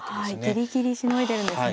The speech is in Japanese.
ギリギリしのいでるんですね。